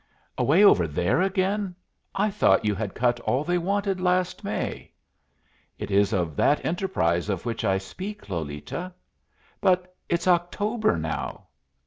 "Away over there again? I thought you had cut all they wanted last May." "It is of that enterprise of which I speak, Lolita." "But it's October now!"